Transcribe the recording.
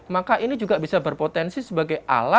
maka ini juga bisa berpotensi sebagai alat